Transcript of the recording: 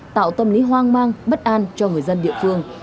tạo tâm lý hoang mang bất an cho người dân địa phương